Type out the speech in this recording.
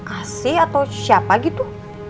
asyik atau siapa gitu